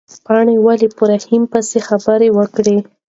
پاڼې ولې په رحیم پسې خبره وکړه؟